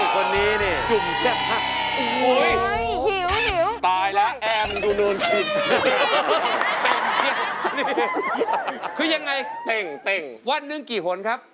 วันหนึ่งกี่หนครับ